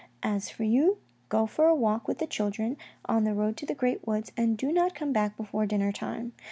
As for you, go for a walk with the children, on the road to the great woods, and do not come back before dinner time.